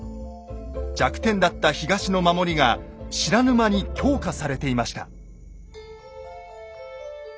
弱点だった東の守りが知らぬ間に強化されていました。